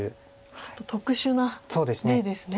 ちょっと特殊な例ですね。